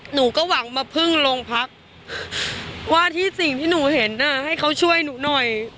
หนูก็หวังมาพึ่งโรงพักว่าที่สิ่งที่หนูเห็นน่ะให้เขาช่วยหนูหน่อย